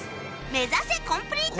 目指せコンプリート！